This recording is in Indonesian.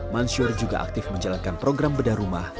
mansyur juga aktif menjalankan program bedah rumah